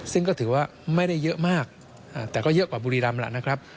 ซึ่งก็ถือว่าไม่ได้เยอะมากแต่ก็เยอะกว่าบุรีรำแล้วนะครับ